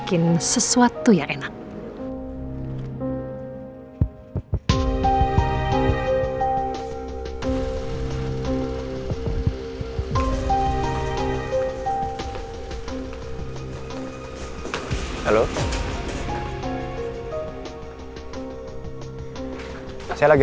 yaudah gak apa apa